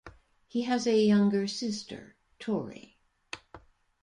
He has a younger sister, Tori.